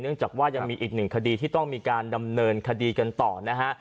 จากว่ายังมีอีกหนึ่งคดีที่ต้องมีการดำเนินคดีกันต่อนะฮะ